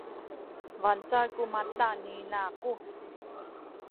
bangcal ku mata ni ina aku